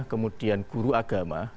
kemudian guru agama